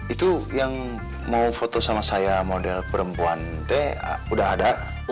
itu yang mau foto sama saya model perempuan teh udah ada